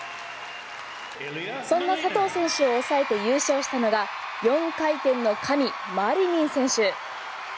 そんな佐藤選手を抑えて優勝したのが４回転の神、マリニン選手。